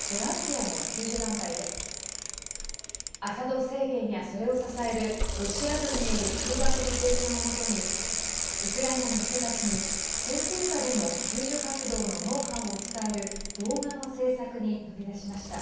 アサド政権やそれを支えるロシア軍による空爆の経験をもとにウクライナの人たちに戦闘下での救助活動のノウハウを伝える動画の制作に乗り出しました。